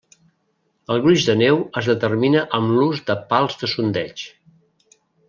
El gruix de neu es determina amb l'ús de pals de sondeig.